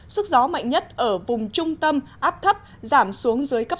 sức gió mạnh nhất ở vùng trung tâm áp thấp giảm xuống dưới cấp sáu